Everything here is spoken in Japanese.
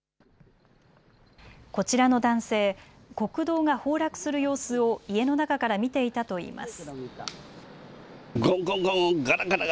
こちらの男性、国道が崩落する様子を家の中から見ていたといいます。